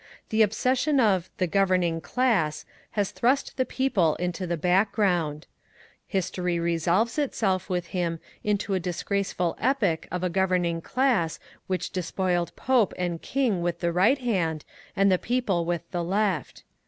The obsession of "the governing class" has thrust the people into the background. History resolves itself with him into a disgraceful epic of a governing class which despoiled Pope and King with the right hand, and the people with the left.